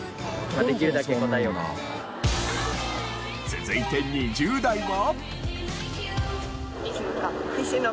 続いて２０代は。